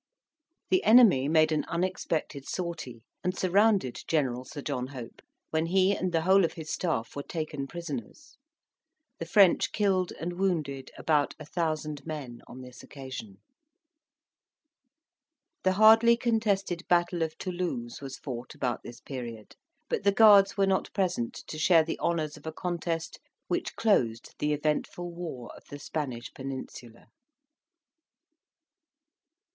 The enemy made an unexpected sortie, and surrounded General Sir John Hope, when he and the whole of his staff were taken prisoners. The French killed and wounded about 1,000 men on this occasion. The hardly contested battle of Toulouse was fought about this period, but the Guards were not present to share the honours of a contest which closed the eventful war of the Spanish Peninsula.